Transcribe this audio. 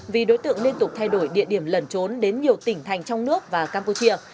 vì đối tượng liên tục thay đổi địa điểm lẩn trốn đến nhiều tỉnh thành trong nước và campuchia